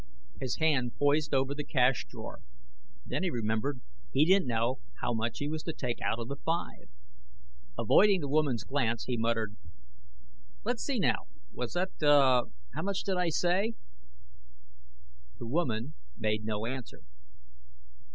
His hand poised over the cash drawer. Then he remembered he didn't know how much he was to take out of the five. Avoiding the woman's glance, he muttered: "Let's see, now, that was uh how much did I say?" The woman made no answer.